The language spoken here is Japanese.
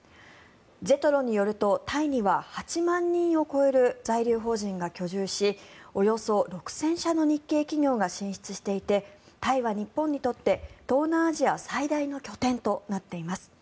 ＪＥＴＲＯによるとタイには８万人を超える在留邦人が居住しおよそ６０００社の日系企業が進出していてタイは、日本にとって東南アジア最大の拠点となっています。